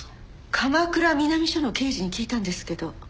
鎌倉南署の刑事に聞いたんですけど。